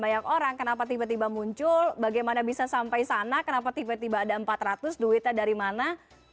banyak orang kenapa tiba tiba muncul bagaimana bisa sampai sana kenapa tiba tiba ada empat ratus duitnya dari mana